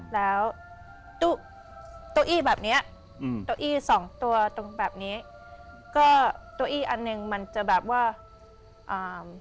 แล้วตู้เก้าอี้แบบเนี้ยอืมเก้าอี้สองตัวตรงแบบนี้ก็เก้าอี้อันหนึ่งมันจะแบบว่าอ่า